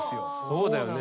そうだよね。